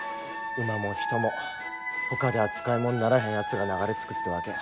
馬も人もほかでは使いもんにならへんやつらが流れつくってわけや。